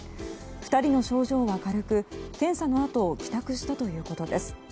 ２人の症状は軽く、検査のあと帰宅したということです。